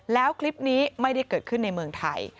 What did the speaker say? แล้วคลิปนี้ไม่ได้เกิดขึ้นในเมืองไทย